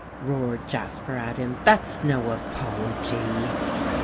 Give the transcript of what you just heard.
roared Jasper at him; "that's no apology."